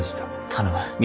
頼む。